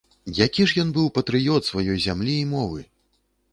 Які ж ён быў патрыёт сваёй зямлі і мовы!